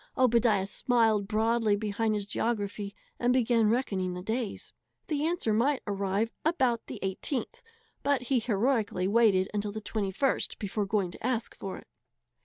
Obadiah smiled broadly behind his geography and began reckoning the days. The answer might arrive about the 18th, but he heroically waited until the 21st before going to ask for it.